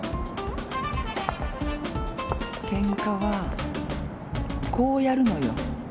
ケンカはこうやるのよ。